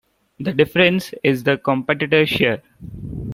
The difference is the competitor share.